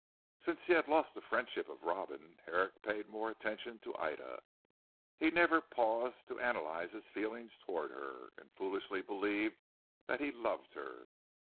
Since he had lost the friendship of Robin, Herrick paid more attention to Ida. He never paused to analyse his feelings towards her, and foolishly believed that he loved her.